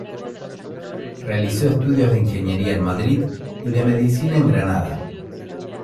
Realizó estudios de ingeniería en Madrid y de Medicina en Granada.